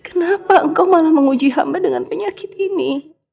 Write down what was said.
kenapa engkau malah menguji hamba dengan penyakit ini